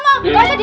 aduh aduh aduh aduh